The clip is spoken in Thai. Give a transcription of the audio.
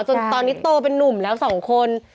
จนตอนนี้โตเป็นนุ่มแล้วสองคน